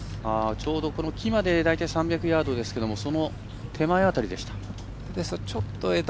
ちょうど木まで大体３００ヤードですけどその手前辺りでした。